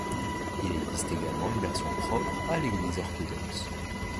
Il existe également une version propre à l'église orthodoxe.